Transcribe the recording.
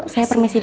saya permisi dulu